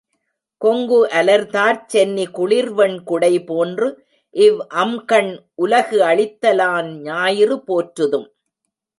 கொங்கு அலர்தார்ச் சென்னி குளிர்வெண் குடை போன்று இவ் அம்கண் உலகு அளித்த லான் ஞாயிறு போற்றுதும்!